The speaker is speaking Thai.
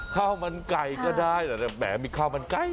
ข้ามันไกรก็ได้แต่อย่างมีข้ามันไกร